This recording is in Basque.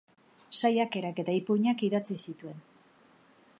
Saiakerak eta ipuinak idatzi zituen.